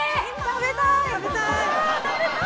食べたーい！